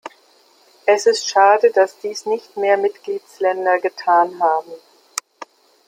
Es ist schade, dass dies nicht mehr Mitgliedsländer getan haben.